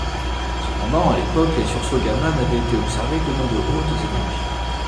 Cependant, à l'époque, les sursauts gamma n'avaient été observés que dans de hautes énergies.